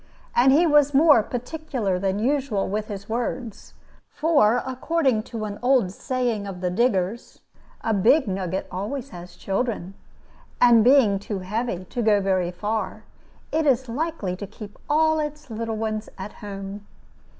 And he was more particular than usual with his words; for, according to an old saying of the diggers, a big nugget always has children, and, being too heavy to go very far, it is likely to keep all its little ones at home.